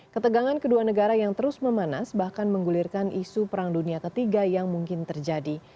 ketegangan kedua negara yang terus memanas bahkan menggulirkan isu perang dunia ketiga yang mungkin terjadi